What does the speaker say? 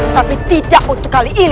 tapi tidak untuk kali ini